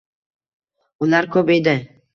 Ular ko`p edi